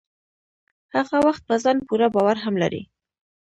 هغه وخت په ځان پوره باور هم لرئ.